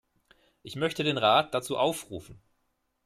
Ich möchte den Rat dazu aufrufen.